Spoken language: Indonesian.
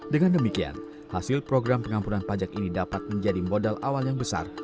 dengan demikian hasil program pengampunan pajak ini dapat menjadi modal awal yang besar